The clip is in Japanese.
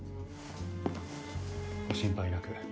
ご心配なく。